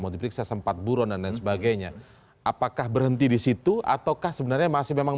modifikasi sempat buron dan sebagainya apakah berhenti di situ ataukah sebenarnya masih memang